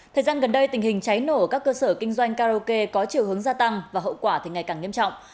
thời gian gần đây tình hình cháy nổ các cơ sở kinh doanh karaoke có chiều hướng gia tăng và hậu quả thì ngày càng nghiêm trọng